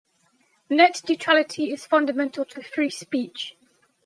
Net neutrality is fundamental to free speech.